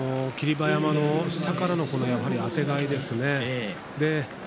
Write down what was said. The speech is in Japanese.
馬山の下からのあてがいですね。